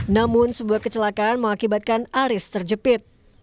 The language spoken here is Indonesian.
namun sebuah kecelakaan mengakibatkan aris terjepit